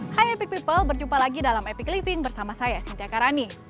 hai epic people berjumpa lagi dalam epic living bersama saya cynthia karani